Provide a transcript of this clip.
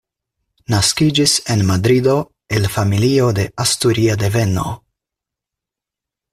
Naskiĝis en Madrido, el familio de asturia deveno.